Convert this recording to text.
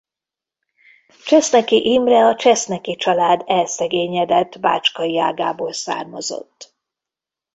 Cseszneky Imre a Cseszneky család elszegényedett bácskai ágából származott.